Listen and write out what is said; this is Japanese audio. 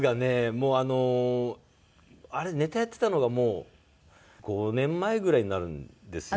もうあのネタやってたのがもう５年前ぐらいになるんですよ実は。